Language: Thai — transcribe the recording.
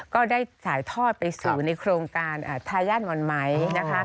ก็ได้สายทอดไปสู่ในโครงการทายาทหม่อนไหม